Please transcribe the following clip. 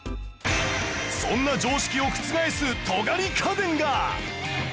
そんな常識を覆す尖り家電が